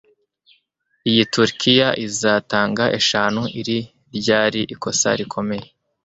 Iyi turkiya izatanga eshanu Iri ryari ikosa rikomeye